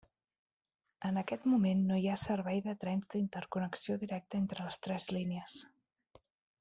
En aquest moment no hi ha servei de trens d'interconnexió directa entre les tres línies.